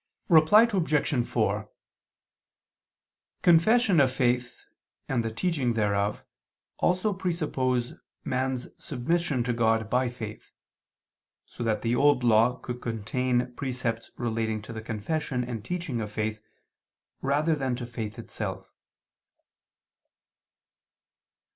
Reply Obj. 4: Confession of faith and the teaching thereof also presuppose man's submission to God by faith: so that the Old Law could contain precepts relating to the confession and teaching of faith, rather than to faith itself.